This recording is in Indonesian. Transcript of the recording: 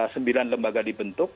sembilan lembaga dibentuk